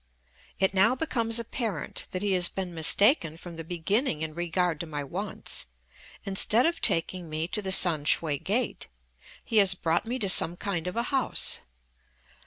It now becomes apparent that he has been mistaken from the beginning in regard to my wants: instead of taking me to the Sam shue gate, he has brought me to some kind of a house.